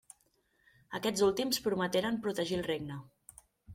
Aquests últims prometeren protegir el regne.